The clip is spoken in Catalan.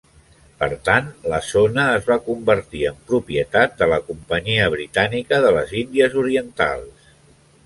Per tant, la zona es va convertir en propietat de la Companyia Britànica de les Índies Orientals.